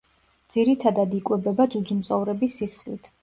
ძირითადად იკვებება ძუძუმწოვრების სისხლით.